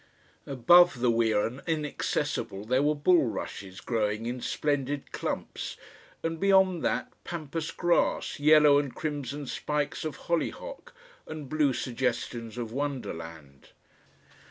(Above the weir and inaccessible there were bulrushes growing in splendid clumps, and beyond that, pampas grass, yellow and crimson spikes of hollyhock, and blue suggestions of wonderland.)